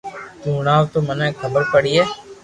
تو ھڻاوي تو مني خبر پڙئي